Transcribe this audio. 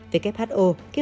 who kêu khám